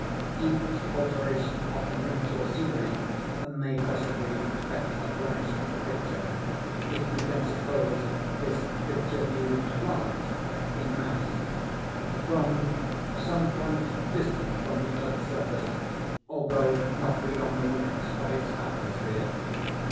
Each alteration of the natural scenery may possibly effect a blemish in the picture, if we can suppose this picture viewed at large—in mass—from some point distant from the earth's surface, although not beyond the limits of its atmosphere.